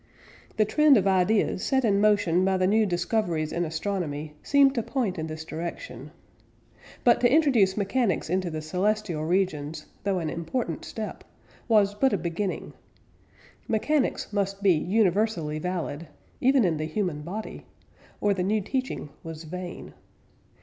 The trend of ideas set in motion by the new discoveries in astronomy seemed to point in this direction. But to introduce mechanics into the celestial regions, though an important step, was but a beginning. Mechanics must be universally valid even in the human body or the new teaching was vain.